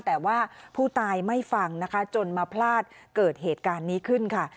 แต่ว่าผู้ตายไม่ฟังนะคะจนมาพลาดเกิดเหตุการณ์นี้ขึ้นค่ะ